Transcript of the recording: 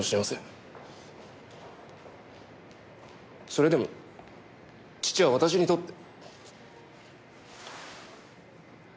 それでも父は私にとって。